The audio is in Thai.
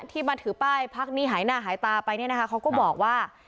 ที่มาถือป้ายพักนี้หายหน้าหายตาไปเนี่ยนะคะเขาก็บอกว่า